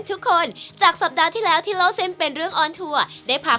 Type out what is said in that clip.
ลูกค้าขันจังหวัดก็เยอะ